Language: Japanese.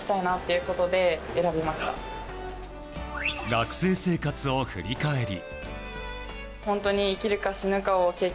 学生生活を振り返り。